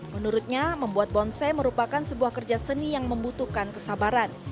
menurutnya membuat bonsai merupakan sebuah kerja seni yang membutuhkan kesabaran